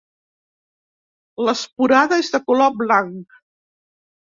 L'esporada és de color blanc.